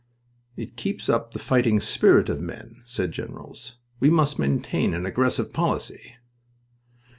"It keeps up the fighting spirit of the men," said the generals. "We must maintain an aggressive policy."